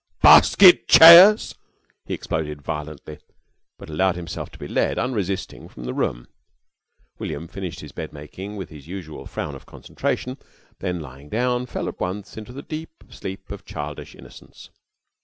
"Basket chairs !" he exploded, violently, but allowed himself to be led unresisting from the room. William finished his bed making with his usual frown of concentration, then, lying down, fell at once into the deep sleep of childish innocence.